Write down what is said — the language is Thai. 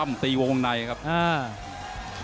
ฝ่ายทั้งเมืองนี้มันตีโต้หรืออีโต้